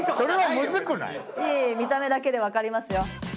いえいえ見た目だけでわかりますよ。